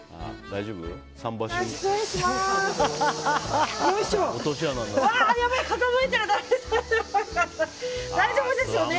大丈夫ですよね。